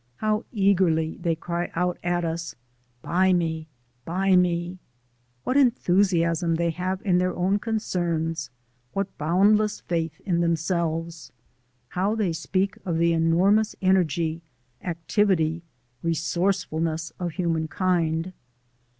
How eagerly they cry out at us, "Buy me, buy me!" What enthusiasm they have in their own concerns, what boundless faith in themselves! How they speak of the enormous energy, activity, resourcefulness of human kind!